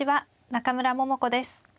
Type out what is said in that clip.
中村桃子です。